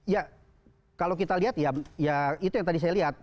ya kalau kita lihat ya itu yang tadi saya lihat